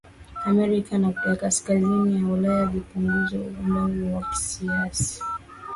Amerika ya Kaskazini na Ulaya vimepunguza ukungu huu kwa kiasi